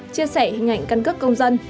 chia sẻ hình ảnh cân cướp công dân